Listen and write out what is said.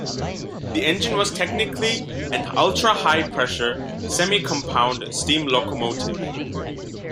The engine was technically an "ultra-high pressure, semi-compound steam locomotive".